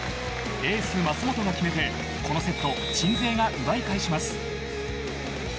エース舛本が決めてこのセットを鎮西が奪い返します。